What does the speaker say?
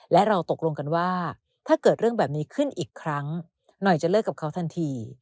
และเราตกลงกันว่าถ้าเกิดเรื่องแบบนี้ขึ้นอีกครั้งหน่อยจะเลิกกับเขาทันที